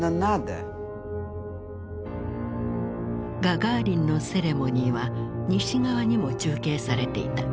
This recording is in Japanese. ガガーリンのセレモニーは西側にも中継されていた。